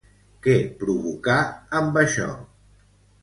Què provocà amb això?